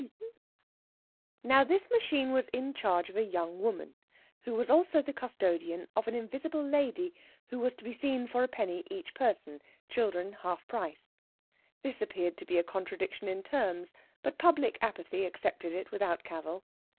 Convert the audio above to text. Now this machine was in charge of a young woman, who was also the custodian of an invisible lady, who was to be seen for a penny each person, children half price. This appeared to be a contradiction in terms, but public apathy accepted it without cavil.